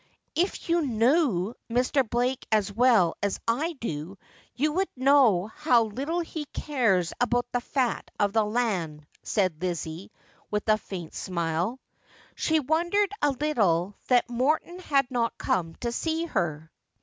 ' If you knew Mr. Blake as well as I do, you would know how little he cares about the fat of the land,' said Lizzie, with a faint smile. She wondered a little that Morton had not come to see her.